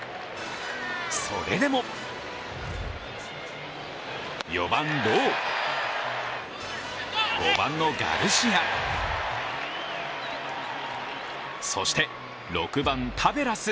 それでも、４番・ロウ、５番のがルシア、そして６番・タベラス。